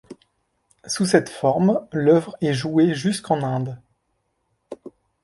Sous cette forme, l’œuvre est jouée jusqu’en Inde.